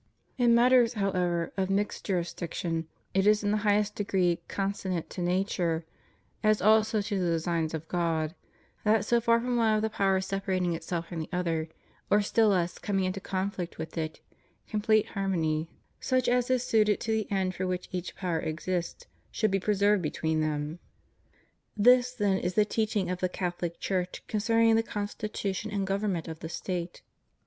In matters, however, of mixed jurisdiction, it is in the highest degree consonant to na ture, as also to the designs of God, that so far from one of the powers separating itself from the other, or still less coming into conflict with it, complete harmony, such as is suited to the end for which each power exists, should be preserved between them. This then is the teaching of the Catholic Church con cerning the constitution and government of the State.